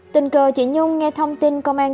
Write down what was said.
tình cờ chị nhung nghe thông tin công an